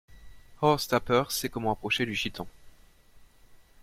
Horst Tapper sait comment approcher du gitan.